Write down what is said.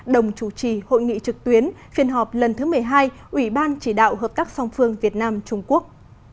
đồng chủ trì hội nghị trực tuyến phiên họp lần thứ một mươi hai ủy ban chỉ đạo hợp tác song phương việt nam trung quốc